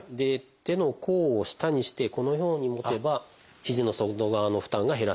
手の甲を下にしてこのように持てば肘の外側の負担が減らせると思います。